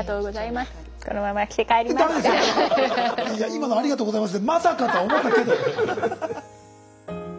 今の「ありがとうございます」でまさかとは思ったけど。